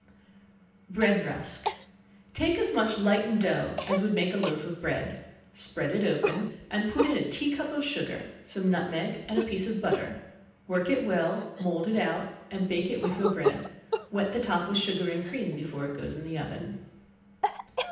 Bread Rusk. Take as much lightened dough, as would make a loaf of bread, spread it open, and put in a tea cup of sugar, some nutmeg and a piece of butter; work it well, mould it out, and bake it with your bread; wet the top with sugar and cream before it goes in the oven.